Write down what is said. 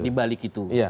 di balik itu